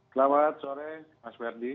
selamat sore mas verdi